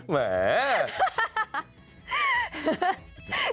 เฮ้ย